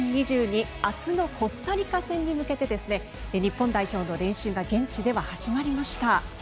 明日のコスタリカ戦に向けて日本代表の練習が現地では始まりました。